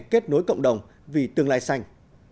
kết nối cộng đồng vì tương lai xanh